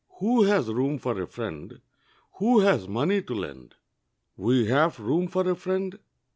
Who has room for a friend Who has money to lend? We have room for a friend!